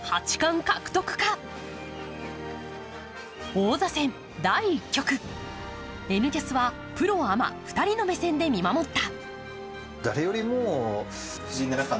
王座戦第１局、「Ｎキャス」はプロ・アマ２人の目線で見守った。